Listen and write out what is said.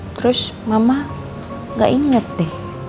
terus mama gak inget deh